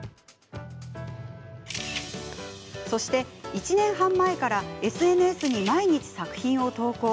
そして、１年半前からＳＮＳに毎日、作品を投稿。